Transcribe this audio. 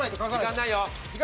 時間ないよ。